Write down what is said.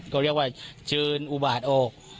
ก็เรียกว่าเชิญอุบาทออก